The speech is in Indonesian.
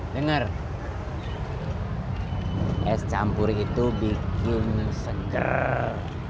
dengar es campur itu bikin seger